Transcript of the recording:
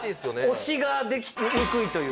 推しができにくいというか。